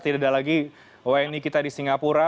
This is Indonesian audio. tidak ada lagi wni kita di singapura